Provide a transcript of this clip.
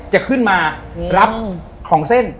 จะขึ้นมารับของเส้น